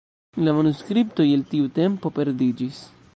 La manuskriptoj el tiu tempo perdiĝis.